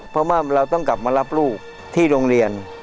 เพราะว่าเราต้องกลับมารับลูกที่โรงเรียน